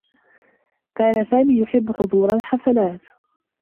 كان سامي يحبّ حضور الحفلات.